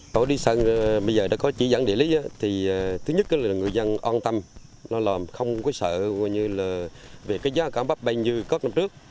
tỏi lý sơn bây giờ đã có chỉ dẫn địa lý thứ nhất là người dân an tâm không sợ về giá cả bắp bệnh như năm trước